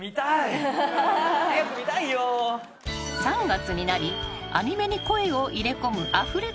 ［３月になりアニメに声を入れ込むアフレコ作業へ］